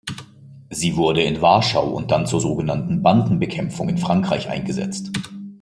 Sie wurde in Warschau und dann zur sogenannten Bandenbekämpfung in Frankreich eingesetzt.